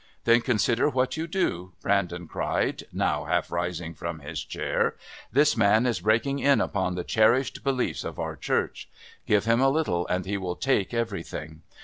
"Then consider what you do," Brandon cried, now half rising from his chair. "This man is breaking in upon the cherished beliefs of our Church. Give him a little and he will take everything.